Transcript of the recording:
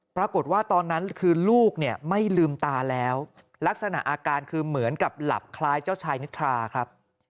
ตอนนั้นคือลูกเนี่ยไม่ลืมตาแล้วลักษณะอาการคือเหมือนกับหลับคล้ายเจ้าชายนิทราครับ